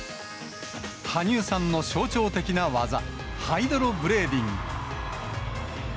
羽生さんの象徴的な技、ハイドロブレーディング。